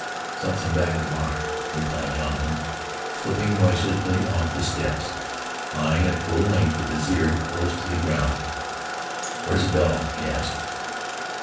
"Somethin' back of the barn," replied Jonathan, slipping noiselessly off the steps, lying at full length with his ear close to the ground. "Where's the dog?" he asked.